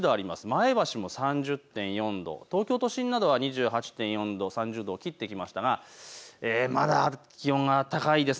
前橋も３０．４度、東京都心などは２８．４度、３０度を切ってきましたがまだ気温が高いです。